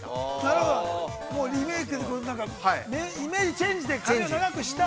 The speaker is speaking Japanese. ◆リメイクで、イメージチェンジで、髪を長くした。